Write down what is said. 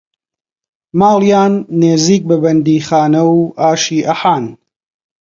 ماڵیان نێزیک بە بەندیخانەوو ئاشی ئەحان